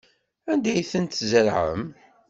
Anda ay tent-tzerɛem?